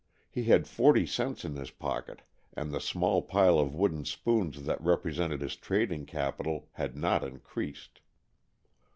He had forty cents in his pocket, and the small pile of wooden spoons that represented his trading capital had not increased.